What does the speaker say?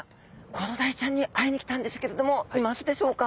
コロダイちゃんに会いに来たんですけれどもいますでしょうか？